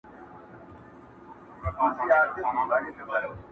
در جارېږمه سپوږمیه راته ووایه په مینه،